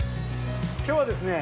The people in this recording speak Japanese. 今日はですね